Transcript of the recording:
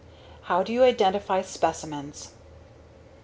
How do you identify specimens?